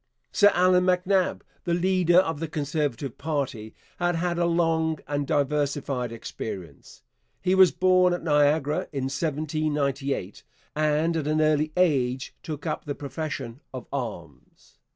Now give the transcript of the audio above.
Sir Allan MacNab, the leader of the Conservative party, had had a long and diversified experience. He was born at Niagara in 1798, and at an early age took up the profession of arms.